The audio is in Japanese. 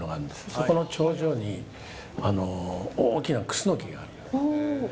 そこの頂上に、大きなクスノキがあります。